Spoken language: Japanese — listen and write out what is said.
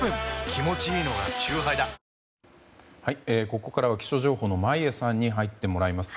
ここからは気象情報の眞家さんに入ってもらいます。